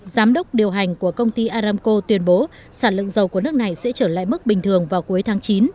giám đốc điều hành của công ty aramco tuyên bố sản lượng dầu của nước này sẽ trở lại mức bình thường vào cuối tháng chín